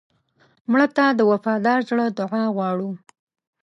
مړه ته د وفادار زړه دعا غواړو